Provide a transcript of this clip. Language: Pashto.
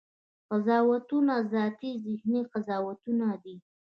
قضاوتونه ذاتي ذهني قضاوتونه دي.